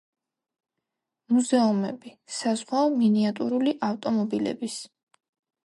მუზეუმები: საზღვაო, მინიატურული ავტომობილების.